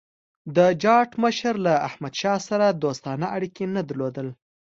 د جاټ مشر له احمدشاه سره دوستانه اړیکي نه درلودل.